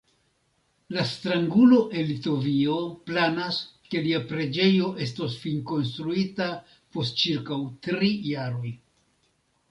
La strangulo el Litovio planas, ke lia preĝejo estos finkonstruita post ĉirkaŭ tri jaroj.